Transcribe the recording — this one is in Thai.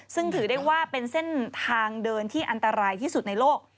ซึ่งถือได้ว่าเป็นเส้นทางเดินที่อันตรายที่สุดในโลก